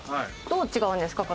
どう違うんですか？